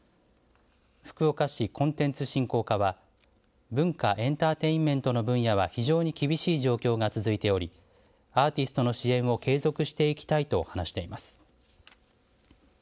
福岡市コンテンツ振興課は文化・エンターテインメントの分野は非常に厳しい状況が続いておりアーティストの支援を継続していきたいと話しています。